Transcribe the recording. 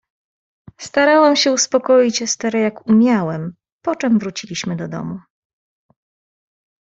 "Starałem się uspokoić Esterę, jak umiałem, poczem wróciliśmy do domu."